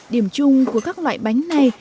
điểm chung của các loại bánh này